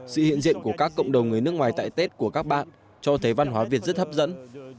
sự hiện diện của các cộng đồng người nước ngoài tại tết của các bạn cho thấy văn hóa việt rất hấp dẫn